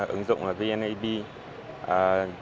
ứng dụng vneid